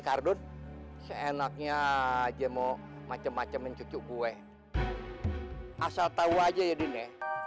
kadun keenaknya aja mau macem macem mencucuk gue asal tahu aja ya dine